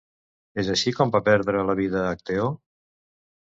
És així com va perdre la vida Acteó?